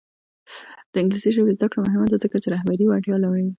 د انګلیسي ژبې زده کړه مهمه ده ځکه چې رهبري وړتیا لوړوي.